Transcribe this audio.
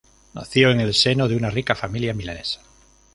Nació en el seno de una rica familia milanesa.